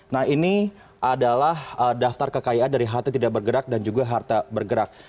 nah ini adalah daftar kekayaan dari harta tidak bergerak dan juga harta bergerak